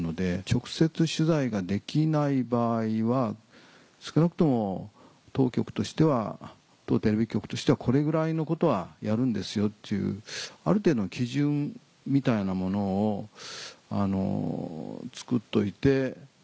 直接取材ができない場合は少なくとも当テレビ局としてはこれぐらいのことはやるんですよっていうある程度の基準みたいなものを作っといて。